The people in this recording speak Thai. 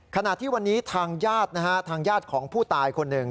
ขณะที่วันนี้ทางญาตินะฮะทางญาติของผู้ตายคนหนึ่ง